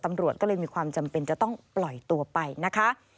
ตำรวจก็เลยมีความจำเป็นจะต้องปล่อยตัวไปนะคะ